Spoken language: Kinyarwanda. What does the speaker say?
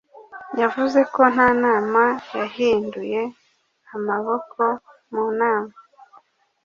yavuze ko nta nama yahinduye amaboko mu nama